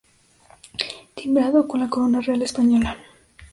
Timbrado con la corona Real Española.